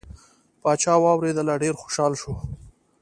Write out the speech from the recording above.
پاچا واورېدله ډیر خوشحال شو.